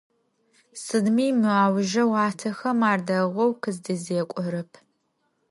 Сыдми мы аужрэ уахътэхэм ар дэгъоу къыздэзекӀорэп.